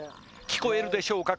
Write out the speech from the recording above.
聞こえるでしょうか